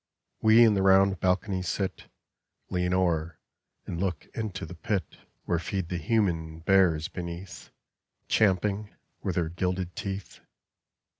We in the round balcony sit, Lean o'er and look into the pit Where feed the human bears beneath. Champing with their gilded teeth.